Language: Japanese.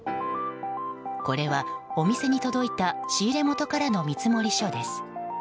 これはお店に届いた仕入れ元からの見積書です。